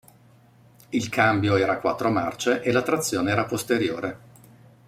Il cambio era a quattro marce, e la trazione era posteriore.